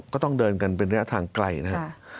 ก็ต้องเดินกันเป็นระยะทางไกลนะครับ